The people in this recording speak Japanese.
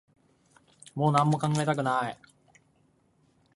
もう何も考えたくない